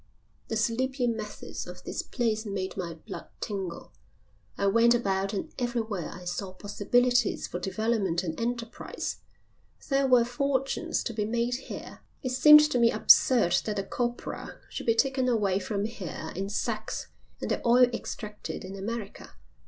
The sleepy methods of this place made my blood tingle. I went about and everywhere I saw possibilities for development and enterprise. There were fortunes to be made here. It seemed to me absurd that the copra should be taken away from here in sacks and the oil extracted in America.